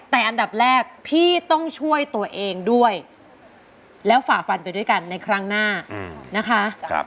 แต่อันดับแรกพี่ต้องช่วยตัวเองด้วยแล้วฝ่าฟันไปด้วยกันในครั้งหน้านะคะ